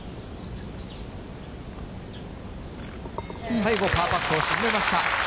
最後、パーパットを沈めました。